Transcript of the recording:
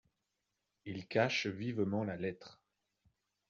Il cache vivement la lettre.